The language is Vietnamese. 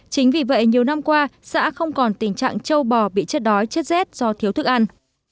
chính vì vậy nhiều năm qua xã không còn tình trạng châu bò bị chết đói chết rét do thiếu thức ăn